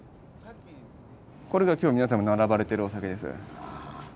これが今日皆様並ばれてるお酒です。